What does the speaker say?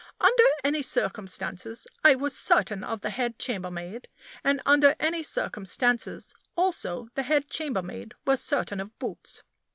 Under any circumstances, I was certain of the head chambermaid; and under any circumstances, also, the head chambermaid was certain of Boots.